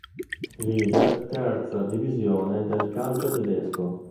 Liga, terza divisione del calcio tedesco.